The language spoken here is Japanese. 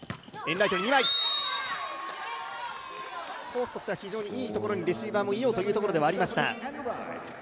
コースとしては非常にいいところにレシーバーもいようというところではありました。